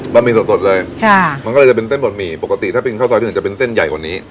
หี่สดเลยค่ะมันก็เลยจะเป็นเส้นบะหมี่ปกติถ้าเป็นข้าวซอยที่อื่นจะเป็นเส้นใหญ่กว่านี้